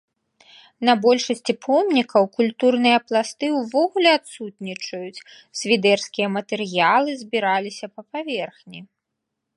На большасці помнікаў культурныя пласты ўвогуле адсутнічаюць, свідэрскія матэрыялы збіраліся на паверхні.